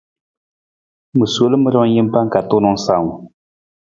Ma sol ma rijang jampa ka tuunang sawung.